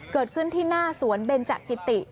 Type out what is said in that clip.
เกิดขึ้นที่หน้าสวนเบนจักิติ